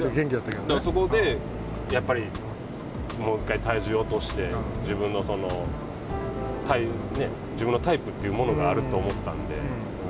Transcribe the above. そこでやっぱりもう一回体重を落として、自分のタイプというものがあると思ったんで。